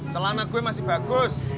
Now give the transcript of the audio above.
celana gue masih bagus